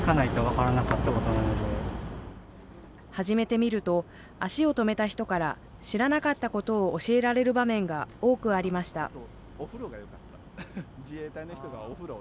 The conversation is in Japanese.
始めてみると、足を止めた人から、知らなかったことを教えられる場面が多くありました。